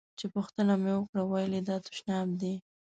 چې پوښتنه مې وکړه ویل یې دا تشناب دی.